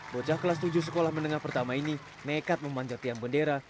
bocah kelas tujuh sekolah menengah pertama ini nekat memanjat tiang bendera